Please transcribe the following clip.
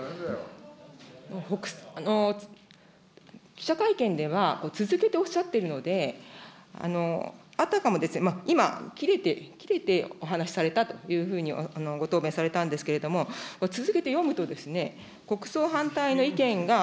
記者会見では続けておっしゃっているので、あたかも、今、切れて、切れてお話しされたとご答弁されたんですけれども、続けて読むと、国葬反対の意見が。